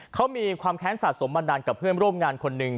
เขามีความแค้นสะสมมานานกับเพื่อนร่วมงานคนหนึ่ง